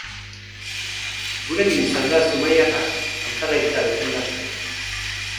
Gurekin izan da zumaiarra, hautagaitza defendatzen.